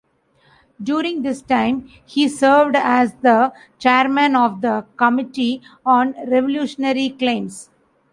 During this time, he served as the Chairman of the Committee on Revolutionary Claims.